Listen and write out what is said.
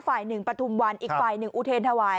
ฝ่ายหนึ่งปฐุมวันอีกฝ่ายหนึ่งอุเทรนถวาย